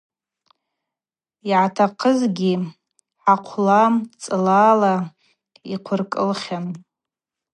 Йъатахъызгьи хӏахъвыла, цӏлала йхъвыркӏылхьан.